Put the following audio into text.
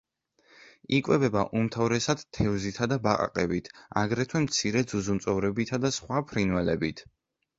იკვებება უმთავრესად თევზითა და ბაყაყებით, აგრეთვე მცირე ძუძუმწოვრებითა და სხვა ფრინველებით.